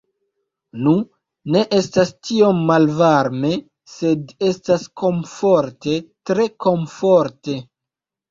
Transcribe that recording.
Nu, ne estas tiom malvarme sed estas komforte tre komforte